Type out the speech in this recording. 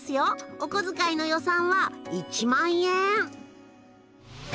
おこづかいの予算は１万円。